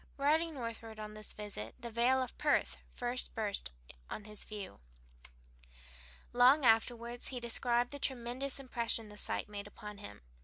Riding northward on this visit the vale of Perth first burst on his view. Long afterward he described the tremendous impression this sight made upon him.